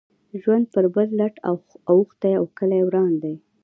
ژوند پر بل لټ اوښتی او کلی وران دی.